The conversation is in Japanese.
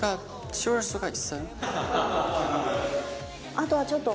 あとはちょっと。